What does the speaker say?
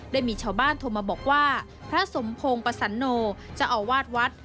ได้มีชาวบ้านโทรมาบอกว่าพระสมพงศ์ปสันโนเจ้าอาวาสวัด